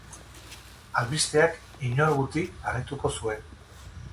Albisteak inor guti harrituko zuen.